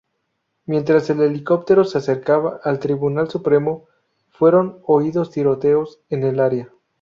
Mientras el helicóptero se acercaba al Tribunal Supremo, fueron oídos tiroteos en el área.